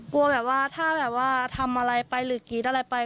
กลัวแบบว่าถ้าแบบว่าทำอะไรไปหรือกรี๊ดอะไรไป